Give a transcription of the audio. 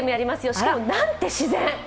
しかもなんて自然！